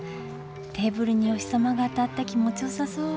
テーブルにお日様が当たって気持ちよさそう。